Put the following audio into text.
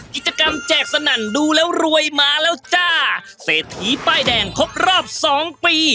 กิจกรรมแจกสนั่นดูแล้วรวยมาแล้วจ้าเสร็จทีสภาคแป้งแดงพบรอบสองปี